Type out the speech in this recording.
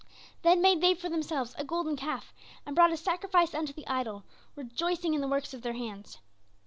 Then made they for themselves a golden calf, and brought a sacrifice unto the idol, rejoicing in the works of their hands.